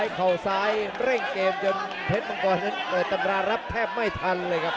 เข่าซ้ายเร่งเกมจนเพชรมังกรนั้นเปิดตำรารับแทบไม่ทันเลยครับ